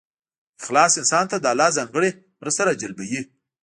اخلاص انسان ته د الله ځانګړې مرسته راجلبوي.